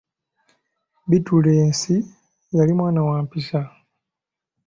Bittulensi yali mwana wa mpisa.